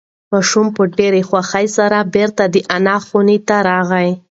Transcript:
ماشوم په ډېرې خوښۍ سره بیرته د انا خونې ته راغی.